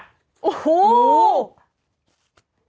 ฮู้ว